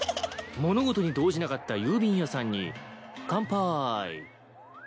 物事に動じなかった郵便屋さんにかんぱい。